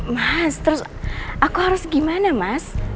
mas terus aku harus gimana mas